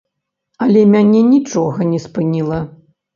Але мяне нічога не спыніла.